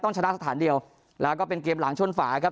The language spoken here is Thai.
ชนะสถานเดียวแล้วก็เป็นเกมหลังชนฝาครับ